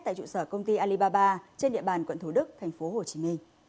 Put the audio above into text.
tại trụ sở công ty alibaba trên địa bàn quận thủ đức tp hcm